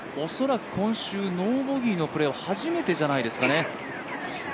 恐らく今週、ノーボギーのプレーは初めてじゃないですかね。